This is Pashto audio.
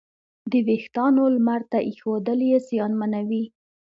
د وېښتیانو لمر ته ایښودل یې زیانمنوي.